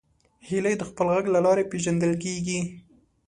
هیلۍ د خپل غږ له لارې پیژندل کېږي